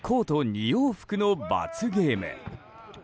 ２往復の罰ゲーム。